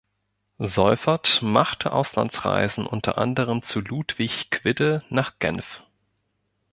Seuffert machte Auslandsreisen unter anderem zu Ludwig Quidde nach Genf.